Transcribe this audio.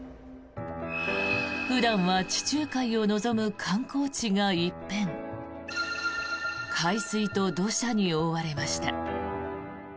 普段は地中海を望む観光地が一変海水と土砂に覆われました。